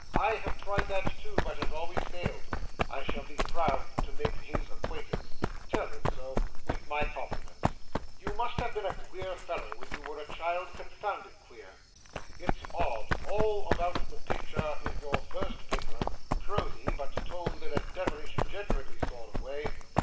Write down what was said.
I have tried that too, but have always failed. I shall be proud to make his acquaintance—tell him so, with my compliments. 'You must have been a queer fellow when you were a child, confounded queer. It's odd, all that about the picture in your first paper—prosy, but told in a devilish gentlemanly sort of way.